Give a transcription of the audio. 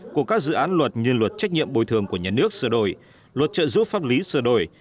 của các dự án luật như luật trách nhiệm bồi thường của nhà nước sửa đổi luật trợ giúp pháp lý sửa đổi